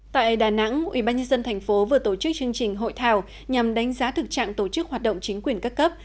tại đà nẵng ubnd tp vừa tổ chức chương trình hội thảo nhằm đánh giá thực trạng tổ chức hoạt động chính quyền các cấp